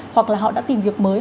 hoặc là họ đã tìm việc mới